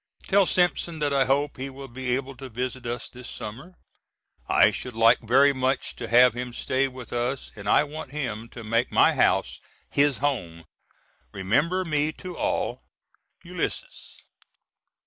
Tell Simpson that I hope he will be able to visit us this summer. I should like very much to have him stay with us and I want him to make my house his home. Remember me to all. ULYSSES.